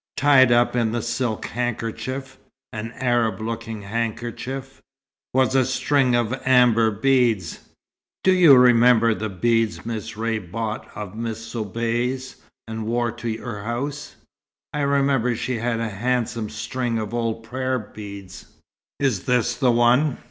Tied up in the silk handkerchief an Arab looking handkerchief was a string of amber beads. Do you remember the beads Miss Ray bought of Miss Soubise, and wore to your house?" "I remember she had a handsome string of old prayer beads." "Is this the one?"